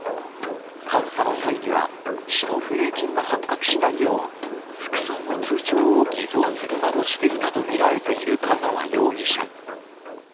監査の際には、使途不明金が発覚しないよう、複数の通帳を偽造するなどしていたと見られている香川容疑者。